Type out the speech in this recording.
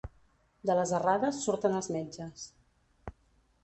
De les errades surten els metges.